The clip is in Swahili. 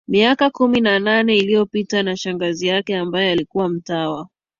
miaka kumi na nane iliyopita na shangazi yake ambaye alikuwa mtawa